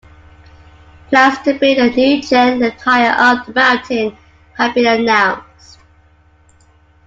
Plans to build a new chair lift higher up the mountain have been announced.